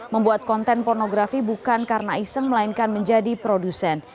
membuat konten pornografi bukan karena iseng melainkan menjadi produsen